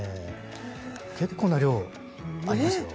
結構な量ありましたよ。